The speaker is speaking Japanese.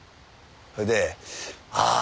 それでああ